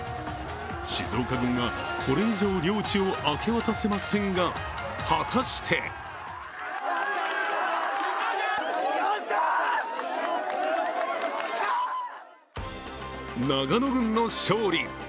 静岡軍はこれ以上、領地を明け渡せませんが果たして長野軍の勝利。